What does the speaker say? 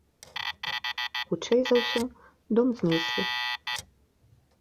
Хутчэй за ўсё, дом знеслі.